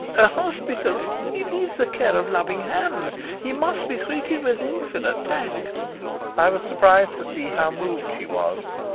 "A hospital! He needs the care of loving hands. He must be treated with infinite tact." I was surprised to see how moved she was.